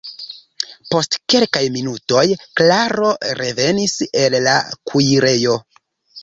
Post kelkaj minutoj Klaro revenis el la kuirejo.